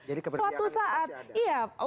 jadi kepentingan masih ada